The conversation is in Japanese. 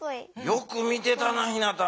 よく見てたなひなた。